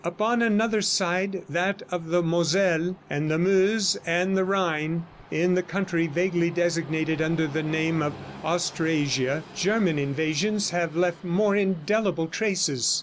"Upon another side, that of the Moselle, the Meuse and the Rhine, in the country vaguely designated under the name of Austrasia, German invasions have left more indelible traces.